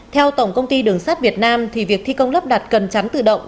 theo tổng công ty đường sắt việt nam việc thi công lắp đặt cần chắn tự động